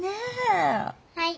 はい。